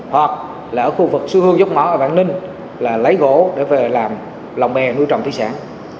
hoặc là ở khu vực sư hương dốc mỏ ở vạn ninh là lấy gỗ để về làm lòng mè nuôi trồng thủy sản